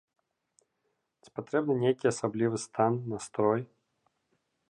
Ці патрэбны нейкі асаблівы стан, настрой?